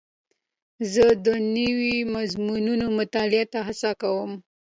زه د نوو مضمونونو مطالعې ته هڅه کوم.